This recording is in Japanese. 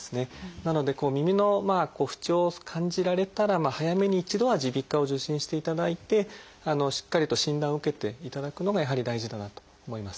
なので耳の不調を感じられたら早めに一度は耳鼻科を受診していただいてしっかりと診断を受けていただくのがやはり大事だなと思います。